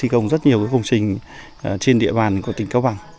thì đã xây dựng rất nhiều công trình trên địa bàn của tỉnh cao bằng